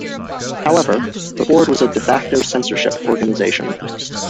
However, the Board was a "de facto" censorship organization.